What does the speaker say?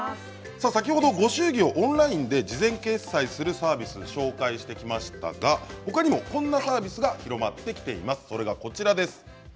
先ほどご祝儀をオンラインで事前決済するサービスをご紹介しましたがほかにもこんなサービスが広がってきています。